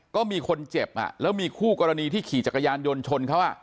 ก็มีคนเจ็บแล้วมีคู่กรณีที่ขี่จักรยานยนต์ชนเขา